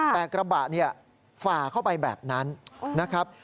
แต่กระบะเนี่ยฝ่าเข้าไปแบบนั้นนะครับ